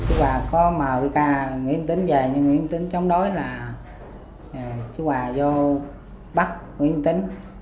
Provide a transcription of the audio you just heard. chú hòa có mời nguyễn tính về nhưng nguyễn tính chống đối là chú hòa vô bắt nguyễn tính